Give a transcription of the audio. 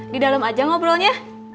di dalam aja ngobrolnya